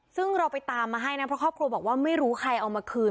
ซึ่งเราไปตามมาให้นะเพราะครอบครัวบอกว่าไม่รู้ใครเอามาคืน